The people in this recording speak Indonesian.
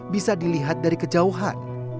bisa dilihat dari kejauhan